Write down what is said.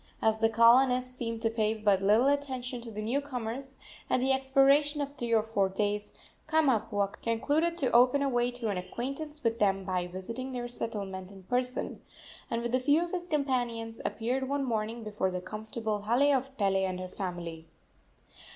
As the colonists seemed to pay but little attention to the new comers, at the expiration of three or four days Kamapuaa concluded to open a way to an acquaintance with them by visiting their settlement in person, and with a few of his companions appeared one morning before the comfortable hale of Pele and her family.